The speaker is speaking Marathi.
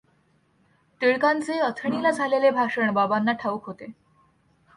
टिळकांचे अथणीला झालेले भाषण बाबांना ठाऊक होते.